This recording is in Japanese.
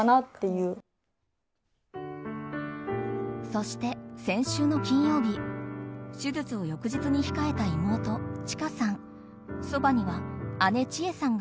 そして先週の金曜日手術を翌日に控えた妹ちかさん。